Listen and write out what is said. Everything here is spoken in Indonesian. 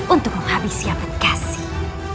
untuk menghabis siapat kasih